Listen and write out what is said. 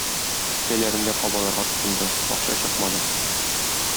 Кесәләрен дә кабаларга тотынды, акча чыкмады.